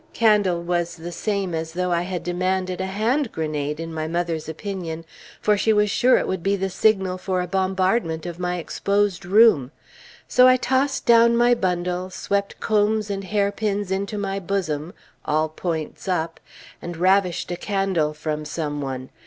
Candle was the same as though I had demanded a hand grenade, in mother's opinion, for she was sure it would be the signal for a bombardment of my exposed room; so I tossed down my bundles, swept combs and hairpins into my bosom (all points up), and ravished a candle from some one.